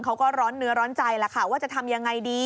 เขาก็ร้อนเนื้อร้อนใจแหละค่ะว่าจะทำยังไงดี